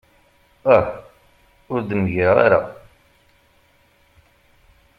Ah! ur d-mgireɣ ara.